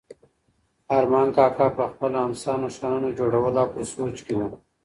ارمان کاکا په خپله امسا نښانونه جوړول او په سوچ کې و.